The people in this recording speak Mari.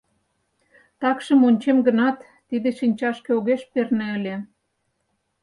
Такшым ончем гынат, тиде шинчашке огеш перне ыле.